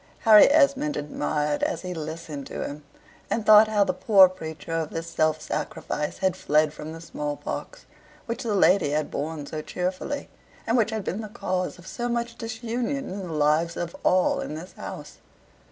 Harry Esmond admired as he listened to him, and thought how the poor preacher of this self sacrifice had fled from the small pox, which the lady had borne so cheerfully, and which had been the cause of so much disunion in the lives of all in this house.